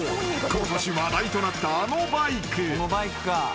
ことし話題となったあのバイク］